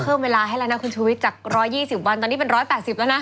เวลาให้แล้วนะคุณชุวิตจาก๑๒๐วันตอนนี้เป็น๑๘๐แล้วนะ